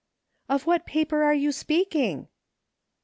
" Of what paper are you speaking?